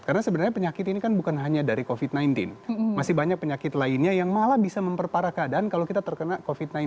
karena sebenarnya penyakit ini kan bukan hanya dari covid sembilan belas masih banyak penyakit lainnya yang malah bisa memperparah keadaan kalau kita terkena covid sembilan belas